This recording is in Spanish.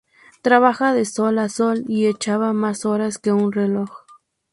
Trabajaba de sol a sol y echaba más horas que un reloj